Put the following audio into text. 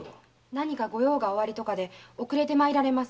何かご用がおありとかで遅れて参られます。